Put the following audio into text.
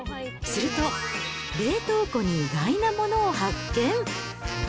すると、冷凍庫に意外なものを発見。